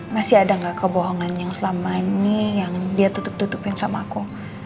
masih ada nggak kebohongan yang selama ini yang dia tutup tutupin sama aku